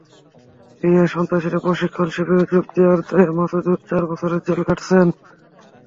সিরিয়ায় সন্ত্রাসীদের প্রশিক্ষণ শিবিরে যোগ দেওয়ার দায়ে মাসুদুর চার বছরের জেল খাটছেন।